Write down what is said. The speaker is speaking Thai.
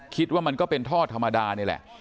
คิดว่ามันก็เป็นท่อธรรมดานี่แหละ